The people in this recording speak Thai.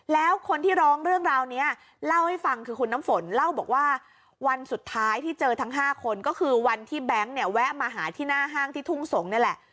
แล้วคนที่ร้องเรื่องราวนี้เล่าให้ฟังคือคุณน้ำฝนเล่าบอกว่าวันสุดท้ายที่เจอทั้ง๕คนก็คือวันที่แบงค์เนี่ยแวะมาหาที่หน้าห้างที่ทุ่งสงศ์นี่แหละ